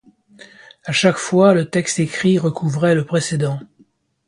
À chaque fois, le texte écrit recouvrait le précédent.